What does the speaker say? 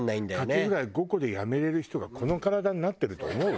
カキフライ５個でやめれる人がこの体になってると思う？